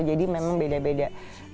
jadi memang beda beda